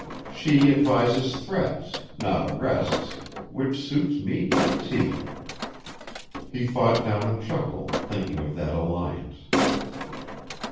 She advises threats, not arrests which suits me, to a T!" He fought down a chuckle, thinking of that alliance.